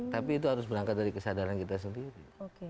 tapi itu harus berangkat dari kesadaran kita sendiri